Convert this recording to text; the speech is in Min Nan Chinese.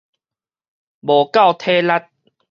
無夠體力